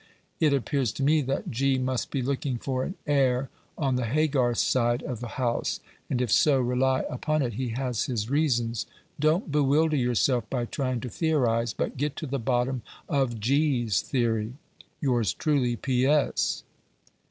It appears to me that G. must be looking for an heir on the Haygarth side of the house; and if so, rely upon it he has his reasons. Don't bewilder yourself by trying to theorize, but get to the bottom of G.'s theory. Yours truly, P. S.